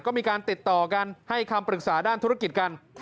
ก็มีการติดต่อกันให้คำปรึกษาด้านธุรกิจกัน